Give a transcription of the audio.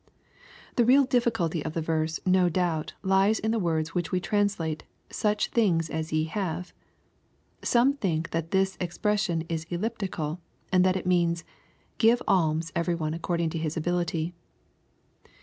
The real difficulty of the verse no doubt lies in the words which we translate " such things as ye have." Some think that this ex pression is elliptical, and that it iHeans, " Give alms every one ac cording to his ability."